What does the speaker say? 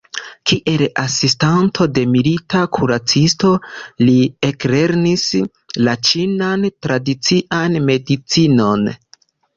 Kiel asistanto de milita kuracisto li eklernis la ĉinan tradician medicinon.